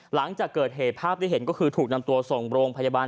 หลังจากเกิดเหตุภาพที่เห็นก็คือถูกนำตัวส่งโรงพยาบาล